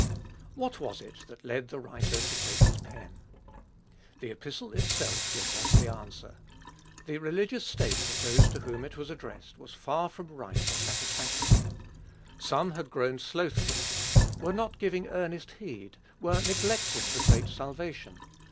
What was it that led the writer to take his pen? The Epistle itself gives us the answer. The religious state of those to whom it was addressed was far from right or satisfactory. Some had grown "slothful," were "not giving earnest heed," were "neglecting the great salvation."